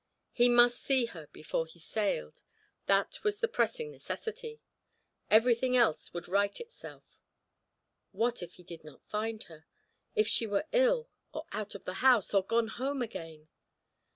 He must see her before he sailed that was the pressing necessity; everything else would right itself. What if he did not find her? If she were ill, or out of the house, or gone home again?